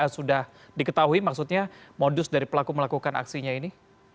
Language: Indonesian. sudah diketahui maksudnya modus dari pelaku melakukan aksinya ini